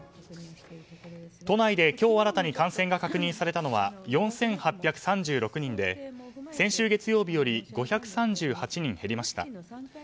都内で今日新たに感染が確認されたのは４８３６人で先週月曜日より５３８人減りました。